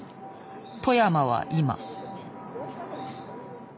外山は今。